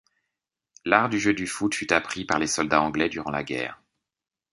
L’art du jeu du foot fût appris par les soldats anglais durant la guerre.